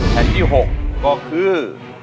แผ่นที่๖ก็คือ